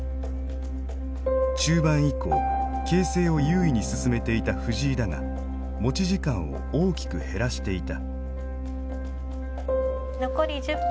中盤以降形勢を優位に進めていた藤井だが持ち時間を大きく減らしていた。